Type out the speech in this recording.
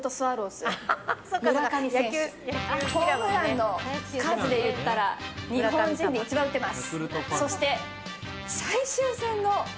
ホームランの数で言ったら日本人で一番打ってます。